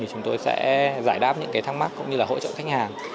chúng tôi sẽ giải đáp những thắc mắc cũng như là hỗ trợ khách hàng